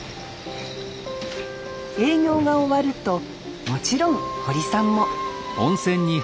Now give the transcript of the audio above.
営業が終わるともちろん堀さんも！